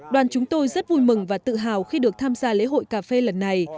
đoàn chúng tôi rất vui mừng và tự hào khi được tham gia lễ hội cà phê lần này